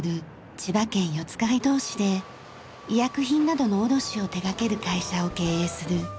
千葉県四街道市で医薬品などの卸を手掛ける会社を経営する岩渕琢磨さん。